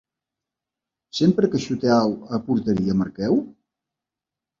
Sempre que xuteu a porteria marqueu?